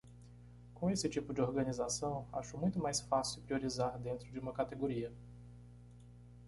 Com esse tipo de organização, acho muito mais fácil priorizar dentro de uma categoria.